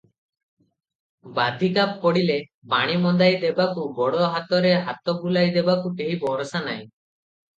ବାଧିକା ପଡ଼ିଲେ ପାଣି ମନ୍ଦାଏ ଦେବାକୁ, ଗୋଡ଼ ହାତରେ ହାତ ବୁଲାଇ ଦେବାକୁ କେହି ଭରସା ନାହିଁ ।